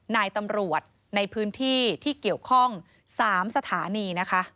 นายตำรวจในพื้นที่ที่เกี่ยวข้อง๓สถานีนะคะ